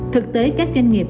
thực tế các doanh nghiệp